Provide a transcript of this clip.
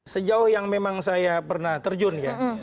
sejauh yang memang saya pernah terjun ya